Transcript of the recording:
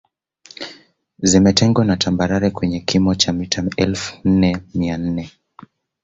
Zimetengwa na tambarare kwenye kimo cha mita elfu nne mia nne